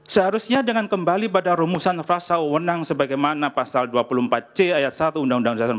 seharusnya dengan kembali pada rumusan frasa wawonang sebagaimana pasal dua puluh empat c ayat satu uud empat puluh lima